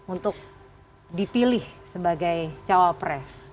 untuk dipilih sebagai cawal pres